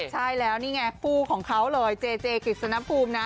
ใช่แล้วนี่ไงคู่ของเขาเลยเจเจกฤษณภูมินะ